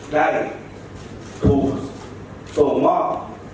ได้ถูกส่งมอบ